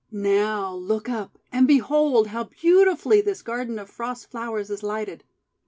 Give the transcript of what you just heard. "Now, look up, and behold how beautifully this Garden of Frost Flowers is lighted.